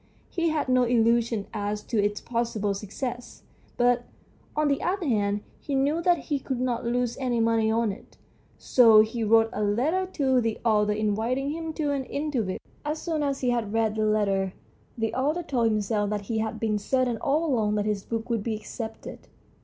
He had no illusions as to its possible success, but, on the other hand, he knew that he could not lose any money on it, so he wrote a letter to the author inviting him to an interview. As soon as he had read the letter the author told himself that he had been certain all along that his book would be accepted.